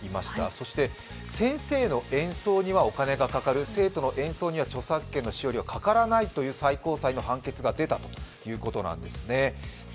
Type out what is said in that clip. そして先生の演奏にはお金がかかる生徒の演奏には著作権の使用料がかからないという最高裁の判決が出たということなんですね。